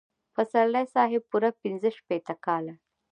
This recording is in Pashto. پسرلي صاحب پوره پنځه شپېته کاله.